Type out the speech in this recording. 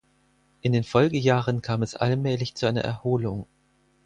In den Folgejahren kam es allmählich zu einer Erholung.